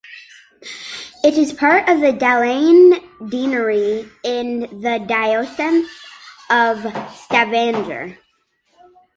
It is part of the Dalane deanery in the Diocese of Stavanger.